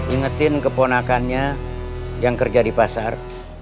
ingetin keponakannya yang kerja di pasar